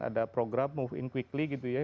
ada program move in quickly gitu ya